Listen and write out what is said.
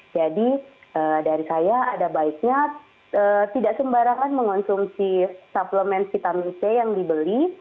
jadi dari saya ada baiknya tidak sembarangan mengonsumsi suplemen vitamin c yang dibeli